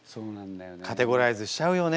カテゴライズしちゃうよね。